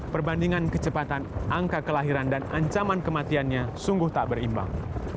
perbandingan kecepatan angka kelahiran dan ancaman kematiannya sungguh tak berimbang